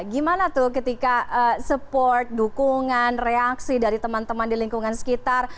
gimana tuh ketika support dukungan reaksi dari teman teman di lingkungan sekitar